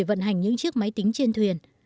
điện ở đâu để vận hành những chiếc máy tính trên thuyền